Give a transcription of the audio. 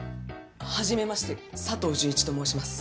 初めまして佐藤淳一と申します。